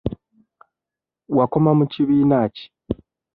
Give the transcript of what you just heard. Wakoma mu kibiina ki?